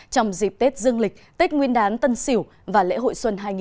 trong dịp tết dương lịch tết nguyên đán tân sỉu và lễ hội xuân hai nghìn hai mươi một